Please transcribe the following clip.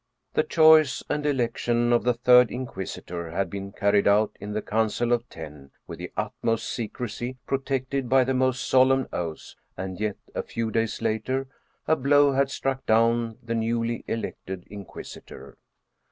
The choice and election of the third Inquisitor had been car ried out in the Council of Ten with the utmost secrecy pro tected by the most solemn oaths, and yet a few days later a blow had struck down the newly elected Inquisitor.